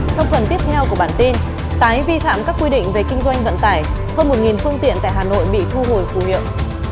trong phần tiếp theo của bản tin tái vi phạm các quy định về kinh doanh vận tải hơn một phương tiện tại hà nội bị thu hồi phù hiệu